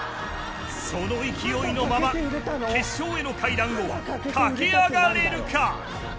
その勢いのまま決勝への階段を駆け上がれるか。